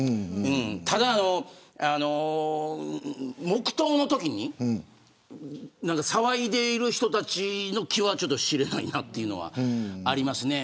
ただ、黙とうのときに騒いでいる人たちの気はちょっと知れないなというのはありますね。